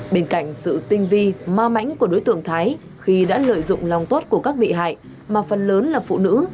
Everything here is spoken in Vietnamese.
bên cạnh sự tinh vi ma mãnh của đối tượng thái khi đã lợi dụng lòng tốt của các bị hại mà phần lớn là phụ nữ